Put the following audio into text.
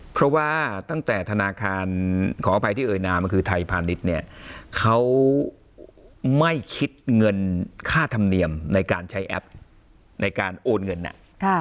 เพราะว่าตั้งแต่ธนาคารขออภัยที่เอ่ยนามคือไทยพาณิชย์เนี่ยเขาไม่คิดเงินค่าธรรมเนียมในการใช้แอปในการโอนเงินเนี่ย